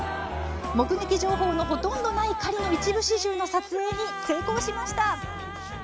目撃情報のほとんどない狩りの一部始終の撮影に成功しました。